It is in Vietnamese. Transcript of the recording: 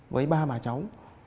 với ba bà cháu